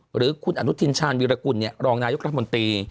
หรือคุณอนุทินชาญวิรากุลรองนายกรัฐมนตรี